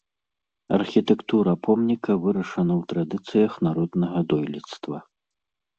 Архітэктура помніка вырашана ў традыцыях народнага дойлідства.